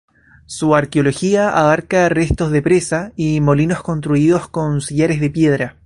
Su arqueología abarca restos de presa y molinos construidos con sillares de piedra.